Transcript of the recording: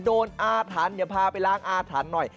โดนอาทันเดี๋ยวพาไปล้างอาทันหน่อย